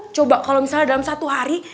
coba kalau misalnya dalam satu hari